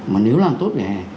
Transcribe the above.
mà nếu làm tốt vỉa hè